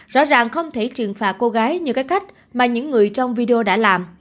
rõ ràng không thể trừng phạt cô gái như cái cách mà những người trong video đã làm